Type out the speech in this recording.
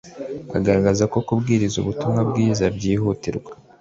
agaragaza ko kubwiriza ubutumwa bwiza byihutirwa